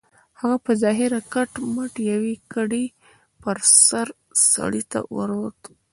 هغه په ظاهره کټ مټ يوې کډې پر سر سړي ته ورته و.